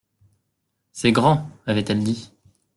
C'est grand ! avait-elle dit.